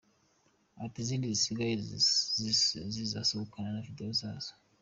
Ati “Izindi zisigaye zizasohokana na Video zazo”.